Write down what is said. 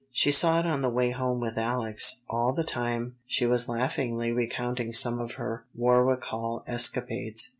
She saw it on the way home with Alex, all the time she was laughingly recounting some of her Warwick Hall escapades.